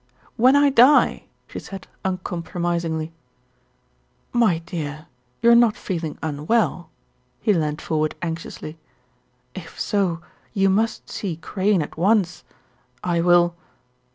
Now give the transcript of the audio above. "When I die," she said uncompromisingly. "My dear, you're not feeling unwell," he leaned for ward anxiously. "If so you must see Crane at once, I will